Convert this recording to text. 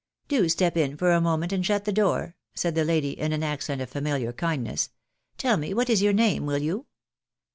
" Do step in for a moment and shut the door,'' said the lady, in an accent of familiar kindness. " Tell me what is your name, will you